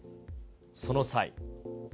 その際。